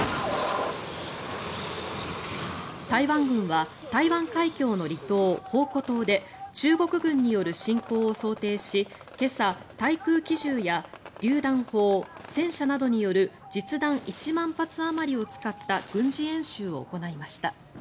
台湾軍は台湾海峡の離島、澎湖島で中国軍による進攻を想定し今朝、対空機銃やりゅう弾砲、戦車などによる実弾１万発あまりを使った軍事演習を行いました。